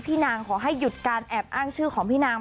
นางขอให้หยุดการแอบอ้างชื่อของพี่นาง